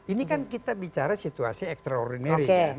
ini kan kita bicara situasi extraordinary